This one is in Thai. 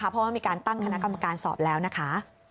เพราะว่ามีการตั้งคณะกรรมการสอบแล้วนะคะ